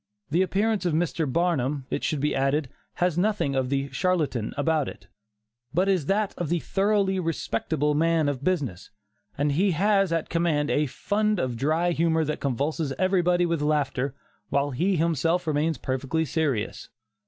The appearance of Mr. Barnum, it should be added, has nothing of the 'charlatan' about it, but is that of the thoroughly respectable man of business; and he has at command a fund of dry humor that convulses everybody with laughter, while he himself remains perfectly serious.